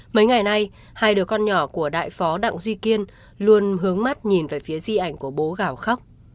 mấy ngày nay hai đứa con nhỏ của đại phó đặng duy kiên luôn hướng mắt nhìn về phía di ảnh của bố gào khóc